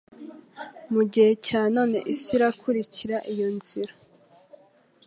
mu gihe cya none isi irakurikira iyo nzira.